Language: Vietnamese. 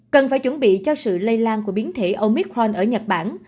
cần phải chuẩn bị cho sự lây lan của biến thể omicron ở nhật bản